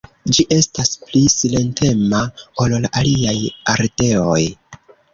Ĝi estas pli silentema ol la aliaj ardeoj.